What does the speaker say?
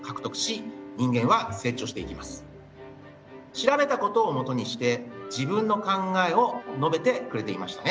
調べたことを基にして自分の考えを述べてくれていましたね。